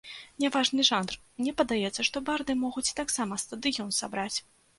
Не важны жанр, мне падаецца, што барды могуць таксама стадыён сабраць.